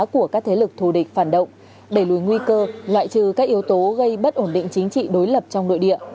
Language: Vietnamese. của các thế lực thù địch phản động đẩy lùi nguy cơ loại trừ các yếu tố gây bất ổn định chính trị đối lập trong nội địa